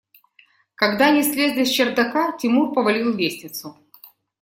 Когда они слезли с чердака, Тимур повалил лестницу.